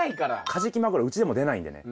カジキマグロうちでも出ないんでね。